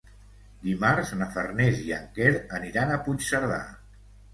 Dimarts na Farners i en Quer aniran a Puigcerdà.